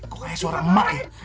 kok ada suara emak